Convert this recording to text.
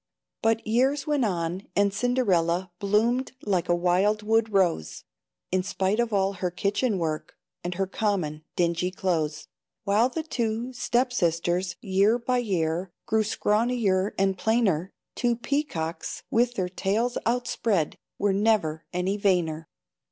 But years went on, and Cinderella Bloomed like a wild wood rose, In spite of all her kitchen work, And her common, dingy clothes; While the two step sisters, year by year, Grew scrawnier and plainer; Two peacocks, with their tails outspread, Were never any vainer.